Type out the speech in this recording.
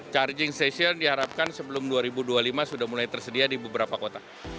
charging station diharapkan sebelum dua ribu dua puluh lima sudah mulai tersedia di beberapa kota